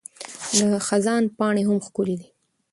د خزان پاڼې هم ښکلي دي.